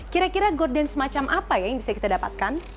kira kira gorden semacam apa ya yang bisa kita dapatkan